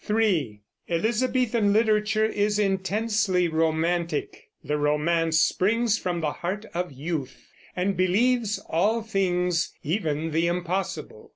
(3) Elizabethan literature is intensely romantic; the romance springs from the heart of youth, and believes all things, even the impossible.